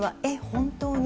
本当に？